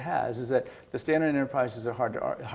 perusahaan standar susah